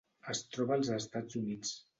Es troba als Estats Units: